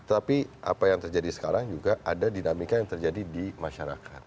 tapi apa yang terjadi sekarang juga ada dinamika yang terjadi di masyarakat